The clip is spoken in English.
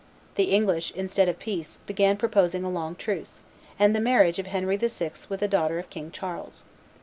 The English, instead of peace, began by proposing a long truce, and the marriage of Henry VI. with a daughter of King Charles.